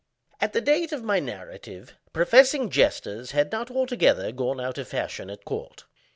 At the date of my narrative, professing jesters had not altogether gone out of fashion at court.